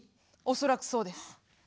恐らくそうです。